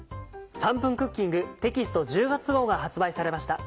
『３分クッキング』テキスト１０月号が発売されました。